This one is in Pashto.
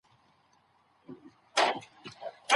په لومړۍ دوره کې د انسانانو افکار ساده وو.